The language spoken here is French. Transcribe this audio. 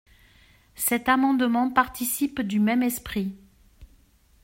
Cet amendement participe du même esprit.